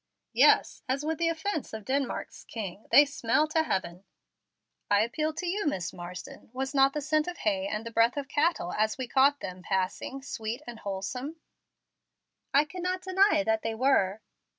"Yes, as with the offence of Denmark's king, they 'smell to heaven.'" "I appeal to you, Miss Marsden, was not the scent of hay and the breath of the cattle as we caught them passing, sweet and wholesome?" "I cannot deny that they were."